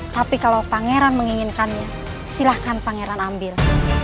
tapi kalau pangeran menginginkannya silahkan pangeran ambil